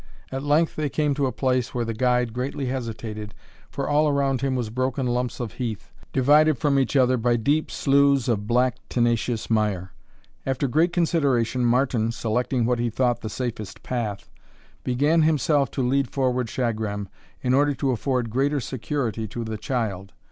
At length they came to a place where the guide greatly hesitated, for all around him was broken lumps of heath, divided from each other by deep sloughs of black tenacious mire. After great consideration, Martin, selecting what he thought the safest path, began himself to lead forward Shagram, in order to afford greater security to the child.